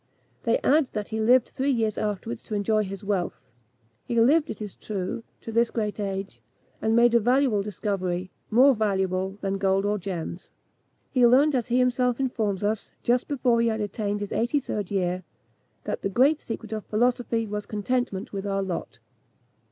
They add that he lived three years afterwards to enjoy his wealth. He lived, it is true, to this great age, and made a valuable discovery more valuable than gold or gems. He learned, as he himself informs us, just before he had attained his eighty third year, that the great secret of philosophy was contentment with our lot.